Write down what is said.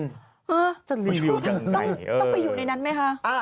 ฮะต้องไปอยู่ในนั้นไหมคะ